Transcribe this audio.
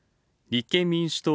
立憲民主党